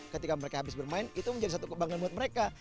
ketika mereka habis bermain itu menjadi satu kebanggaan buat mereka